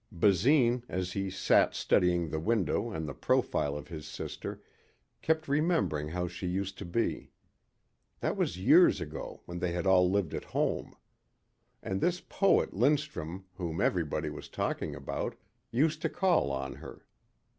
Basine, as he sat studying the window and the profile of his sister, kept remembering how she used to be. That was years ago when they had all lived at home. And this poet Lindstrum whom everybody was talking about, used to call on her.